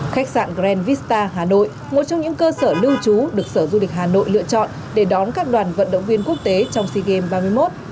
khách sạn grand vista hà nội một trong những cơ sở lưu trú được sở du lịch hà nội lựa chọn để đón các đoàn vận động viên quốc tế trong sea games ba mươi một